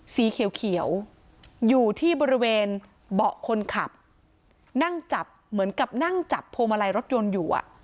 สีเขียวอยู่ที่บริเวณเบาะคนขับนั่งจับเหมือนกับนั่งจับพวงมาลัยรถยนต์อยู่